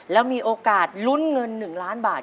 แล้วมีโอกาสลุ้นเงิน๑ล้านบาท